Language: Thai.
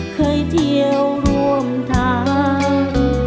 เคยเที่ยวร่วมทาง